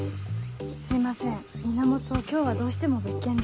すいません源今日はどうしても別件で。